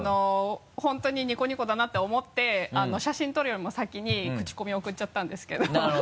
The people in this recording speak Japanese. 本当にニコニコだなって思って写真撮るよりも先にクチコミを送っちゃったんですけど